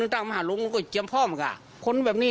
เติมครั้งนี่